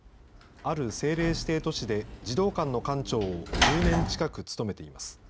ある政令指定都市で児童館の館長を１０年近く務めています。